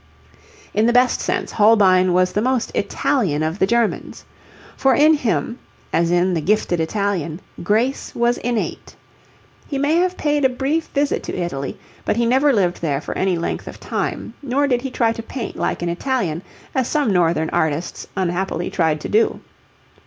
In the best sense Holbein was the most Italian of the Germans. For in him, as in the gifted Italian, grace was innate. He may have paid a brief visit to Italy, but he never lived there for any length of time, nor did he try to paint like an Italian as some northern artists unhappily tried to do.